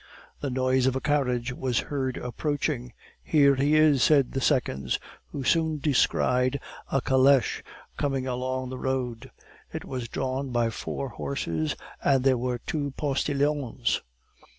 The noise of a carriage was heard approaching. "Here he is," said the seconds, who soon descried a caleche coming along the road; it was drawn by four horses, and there were two postilions.